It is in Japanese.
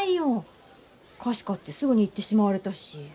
菓子買ってすぐに行ってしまわれたし。